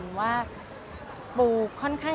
สวัสดีคุณครับสวัสดีคุณครับ